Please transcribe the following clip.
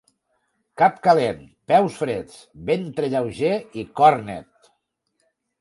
Cap calent, peus freds, ventre lleuger i cor net.